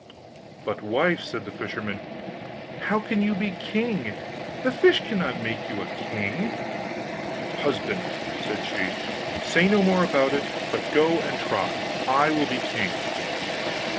'But, wife,' said the fisherman, 'how can you be king the fish cannot make you a king?' 'Husband,' said she, 'say no more about it, but go and try! I will be king.